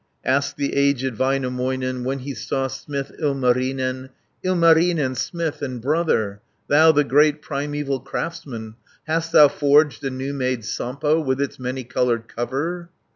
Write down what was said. Asked the aged Väinämöinen, When he saw smith Ilmarinen, "Ilmarinen, smith and brother, Thou the great primeval craftsman, 500 Hast thou forged a new made Sampo, With its many coloured cover?"